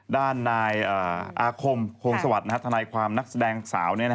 ด้านนายอาคมโฮงสวัสดิ์ทนายความนักแสดงสาว